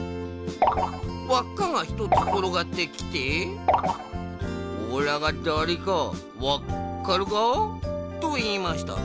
わっかが１つころがってきて「おらがだれかわっかるか？」といいました。